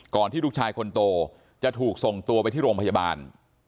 ที่ลูกชายคนโตจะถูกส่งตัวไปที่โรงพยาบาล